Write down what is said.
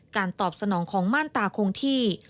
ตอบสนองของม่านตาคงที่